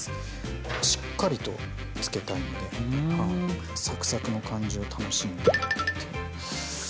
しっかりとつけたいのでサクサクの感じを楽しんで。